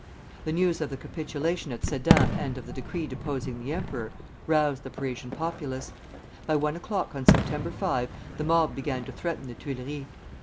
The news of the capitulation at Sedan and of the decree deposing the emperor, roused the Parisian populace. By one o'clock on September 5 the mob began to threaten the Tuileries.